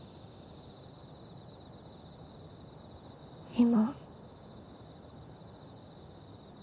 今。